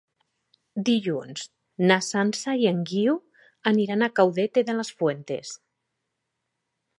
Dilluns na Sança i en Guiu aniran a Caudete de las Fuentes.